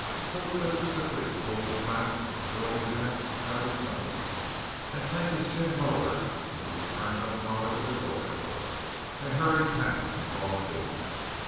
So Triffitt quickly pulled the flap of the Trilby hat about his nose, and sank his chin lower into the turned up collar of his overcoat, and hurried past the tall figure.